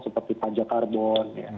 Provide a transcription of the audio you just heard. seperti pajak karbon